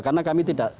karena kami tidak